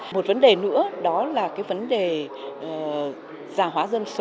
một vấn đề nữa đó là cái vấn đề giả hóa dân số